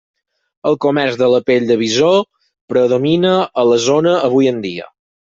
El comerç de la pell de bisó predomina a la zona avui en dia.